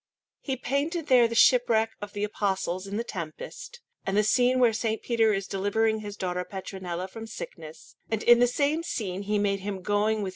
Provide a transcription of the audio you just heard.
He painted there the shipwreck of the Apostles in the tempest, and the scene when S. Peter is delivering his daughter Petronilla from sickness; and in the same scene he made him going with S.